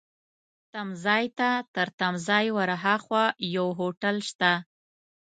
تمځای ته، تر تمځای ورهاخوا یو هوټل شته.